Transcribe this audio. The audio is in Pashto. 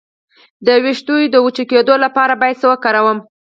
د ویښتو د وچ کیدو لپاره باید څه وکاروم؟